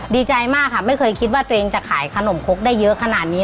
ดีใจมากค่ะไม่เคยคิดว่าตัวเองจะขายขนมคกได้เยอะขนาดนี้